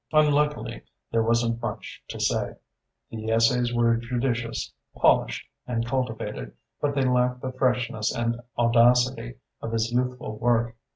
Unluckily there wasn't much to say. The essays were judicious, polished and cultivated; but they lacked the freshness and audacity of his youthful work.